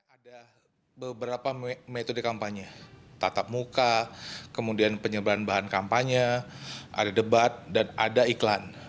ada beberapa metode kampanye tatap muka kemudian penyebaran bahan kampanye ada debat dan ada iklan